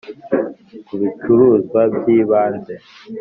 Ku bicuruzwa by ibanze